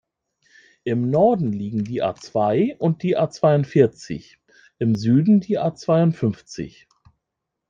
Im Norden liegen die A-zwei und die A-zweiundvierzig, im Süden die A-zweiundfünfzig.